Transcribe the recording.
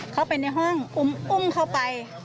เข้าไปในห้องอุ้มเข้าไป